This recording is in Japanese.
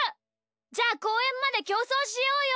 じゃあこうえんまできょうそうしようよ！